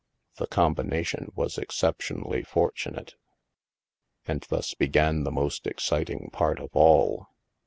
The combination was excep tionally fortunate. And thus began the most exciting part of all.